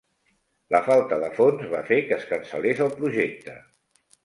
La falta de fons va fer que es cancel·lés el projecte.